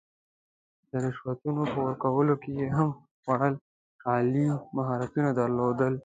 د رشوتونو په ورکولو کې یې هم خورا عالي مهارتونه درلودل.